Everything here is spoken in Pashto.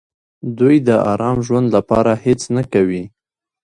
دوی د ارام ژوند لپاره هېڅ نه کوي.